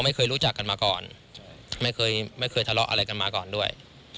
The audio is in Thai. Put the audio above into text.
ไม่เคยรู้จักกันมาก่อนไม่เคยไม่เคยทะเลาะอะไรกันมาก่อนด้วย